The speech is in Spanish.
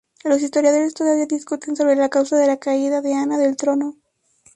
Los historiadores todavía discuten sobre la causa de la caída de Ana del trono.